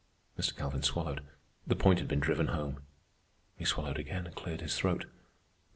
Mr. Calvin swallowed. The point had been driven home. He swallowed again and cleared his throat.